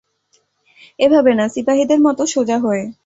এভাবে না, সিপাহী দের মতো সোজা হয়ে।